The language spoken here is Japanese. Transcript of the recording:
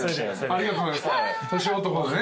ありがとうございます年男でね。